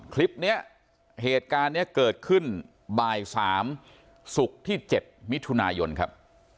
คลิปเนี้ยเหตุการณ์เนี้ยเกิดขึ้นบายสามศุกร์ที่เจ็บมิถุนายนครับ